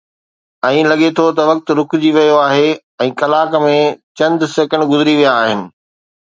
۽ لڳي ٿو وقت رڪجي ويو آهي ۽ ڪلاڪ ۾ چند سيڪنڊ گذري ويا آهن